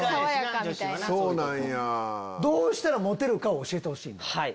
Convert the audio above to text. どうしたらモテるかを教えてほしいんだ。